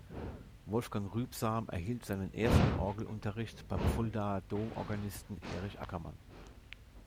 Wolfgang Rübsam erhielt seinen ersten Orgelunterricht beim Fuldaer Domorganisten Erich Ackermann.